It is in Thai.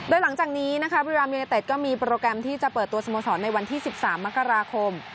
โดยหลังจากนี้นะคะบริรามยูเนเต็ดก็มีโปรแกรมที่จะเปิดตัวสโมสรในวันที่๑๓มกราคม